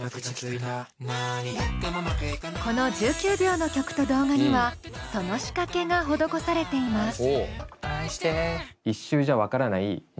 この１９秒の曲と動画にはその仕掛けが施されています。